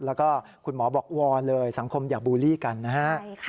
แล้วก็คุณหมอบอกวอนเลยสังคมอย่าบูลลี่กันนะฮะ